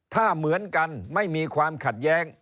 ถ้าเหมือนกันไม่มีความขัดแย้ง